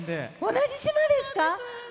同じ島ですか。